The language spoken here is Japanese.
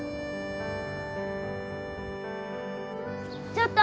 ちょっと！